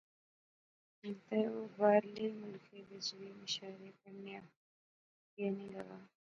ہن تہ او باہرلے ملخیں وچ وی مشاعرے پڑھیا گینے لاغا